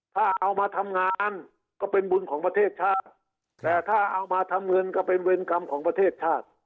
ถ้าเอามาทำงานก็เป็นบุญของประเทศชาติแต่ถ้าเอามาทำเงินก็เป็นเวรกรรมของประเทศชาติ